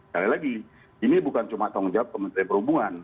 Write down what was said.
sekali lagi ini bukan cuma tanggung jawab kementerian perhubungan